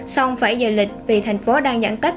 xong phải giờ lịch vì thành phố đang giãn cách